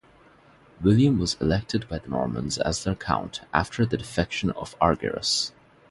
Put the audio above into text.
William was elected by the Normans as their count after the defection of Argyrus.